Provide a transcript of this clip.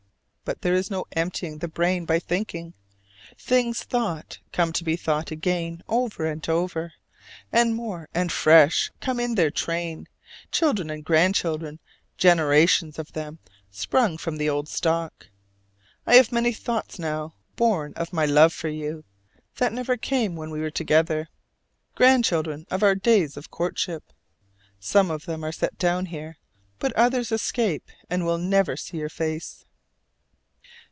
But there is no emptying the brain by thinking. Things thought come to be thought again over and over, and more and fresh come in their train: children and grandchildren, generations of them, sprung from the old stock. I have many thoughts now, born of my love for you, that never came when we were together, grandchildren of our days of courtship. Some of them are set down here, but others escape and will never see your face!